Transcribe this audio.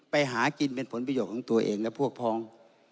ไปหากินเป็นผลประโยชน์ของตัวเองและพวกพ้อง